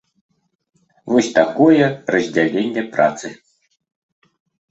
Вось такое раздзяленне працы.